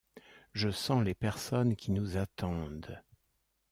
Je sens les personnes qui nous attendent.